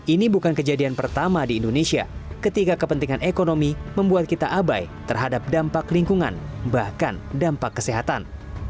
ini bukan kejadian pertama di indonesia ketika kepentingan ekonomi membuat kita abai terhadap dampak lingkungan bahkan dampak kesehatan